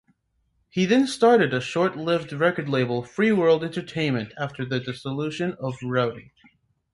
He then started the short-lived record label Freeworld Entertainment after the dissolution of Rowdy.